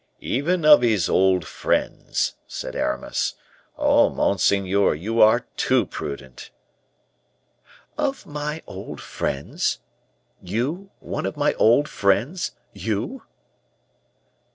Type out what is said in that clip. "Even of his old friends," said Aramis. "Oh, monseigneur, you are too prudent!" "Of my old friends? you one of my old friends, you?"